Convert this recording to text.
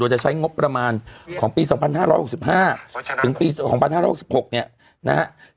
จะใช้งบประมาณของปี๒๕๖๕ถึงปี๒๕๖๖เนี่ยนะฮะ